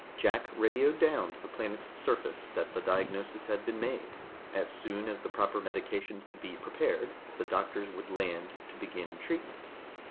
Jack radioed down to the planet's surface that the diagnosis had been made; as soon as the proper medications could be prepared, the doctors would land to begin treatment.